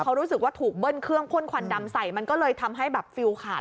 เขารู้สึกว่าถูกเบิ้ลเครื่องพ่นควันดำใส่มันก็เลยทำให้แบบฟิลขาด